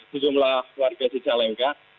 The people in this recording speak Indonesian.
sejumlah keluarga cicalengka